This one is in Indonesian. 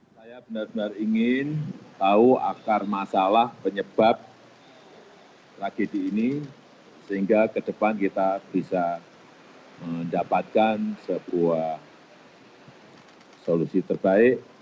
saya benar benar ingin tahu akar masalah penyebab tragedi ini sehingga ke depan kita bisa mendapatkan sebuah solusi terbaik